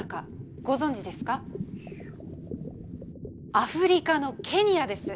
アフリカのケニアです。